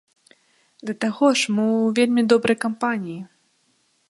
Да таго ж, мы ў вельмі добрай кампаніі.